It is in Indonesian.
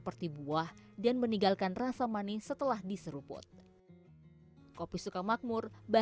jadi kalau urutannya ini saya lebih prefer yang siphon terus v enam puluh terakhir deh